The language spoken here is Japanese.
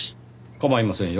構いませんよ。